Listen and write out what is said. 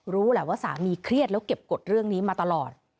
รู้แหละว่าสามีเครียดแล้วเก็บกฎเรื่องนี้มาตลอด